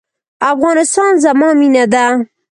افغانستان زما مینه ده؟